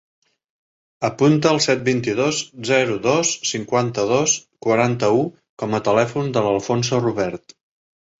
Apunta el set, vint-i-dos, zero, dos, cinquanta-dos, quaranta-u com a telèfon de l'Alfonso Rubert.